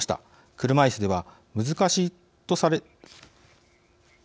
車いすでは難しいとされ。